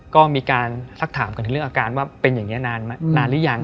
ก็มีการสักถามกันถึงเรื่องอาการว่าเป็นอย่างนี้นานหรือยัง